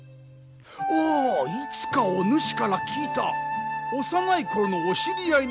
ああいつかお主から聞いた幼い頃のお知り合いの白拍子か。